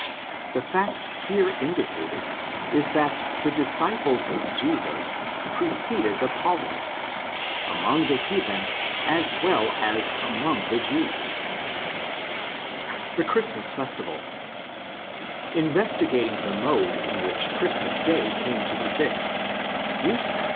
The fact here indicated is that the '' disciples of Jesus" preceded the Paulinists, among the heathen as well as among the Jews. The Christmas Festival. Investigating the mode in which Christmas Day came to be fixed, Usener (Religionsgeschichtliche Untersuchungen, I.